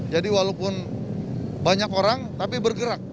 jadi walaupun banyak orang tapi bergerak